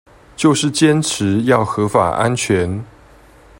就是堅持要合法安全